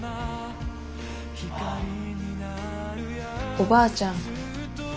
おばあちゃん